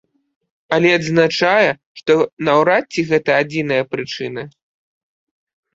Але адзначае, што наўрад ці гэта адзіная прычына.